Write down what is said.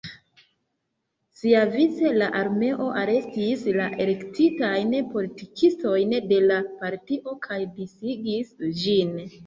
Siavice, la armeo arestis la elektitajn politikistojn de la partio kaj disigis ĝin.